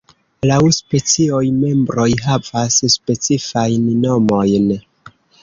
Laŭ specioj, membroj havas specifajn nomojn.